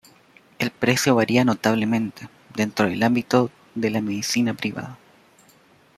El precio varía notablemente, dentro del ámbito de la medicina privada.